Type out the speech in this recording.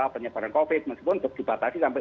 penyebaran covid meskipun untuk dibatasi sampai